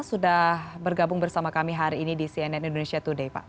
sudah bergabung bersama kami hari ini di cnn indonesia today pak